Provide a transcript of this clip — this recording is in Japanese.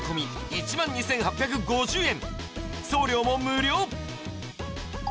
１万２８５０円